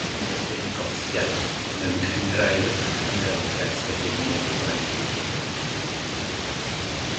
Ymladdodd yn erbyn y Gothiaid mewn cynghrair ag Ymerodraeth Rufeinig wanedig.